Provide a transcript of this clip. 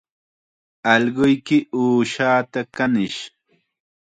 Allquyki uushaata kanish